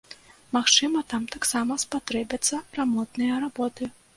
Магчыма, там таксама спатрэбяцца рамонтныя работы.